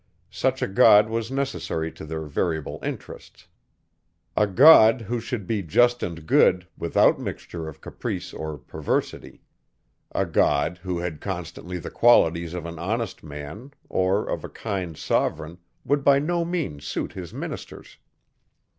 Such a God was necessary to their variable interests. A God, who should be just and good, without mixture of caprice or perversity; a God, who had constantly the qualities of an honest man, or of a kind sovereign, would by no means suit his ministers.